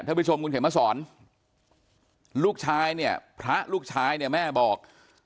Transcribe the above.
ผู้ชมคุณเขียนมาสอนลูกชายเนี่ยพระลูกชายเนี่ยแม่บอก